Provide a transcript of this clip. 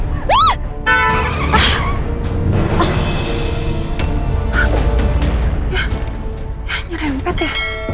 ya nyerempet ya